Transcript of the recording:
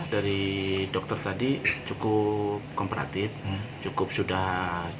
dari dokter tadi cukup komparatif cukup sudah bisa diajak komunikasi